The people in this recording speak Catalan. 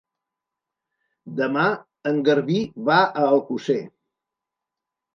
Demà en Garbí va a Alcosser.